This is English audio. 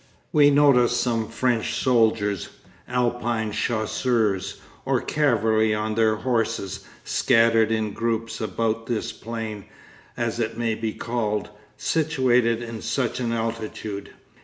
We notice some French soldiers, Alpine chasseurs, or cavalry on their horses, scattered in groups about this plain, as it may be called, situated at such an altitude.